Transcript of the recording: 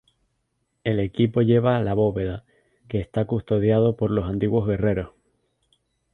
El equipo llega a la bóveda, que está custodiado por los antiguos guerreros.